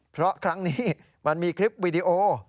เพราะครั้งนี้มันมีคลิปวิดีโอ